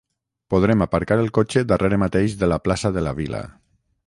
podrem aparcar el cotxe darrere mateix de la plaça de la Vila